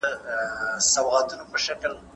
اوس د سیالانو په ټولۍ کي مي ښاغلی یمه